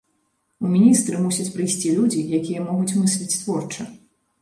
У міністры мусяць прыйсці людзі, якія могуць мысліць творча.